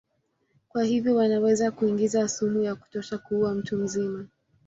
Kwa hivyo wanaweza kuingiza sumu ya kutosha kuua mtu mzima.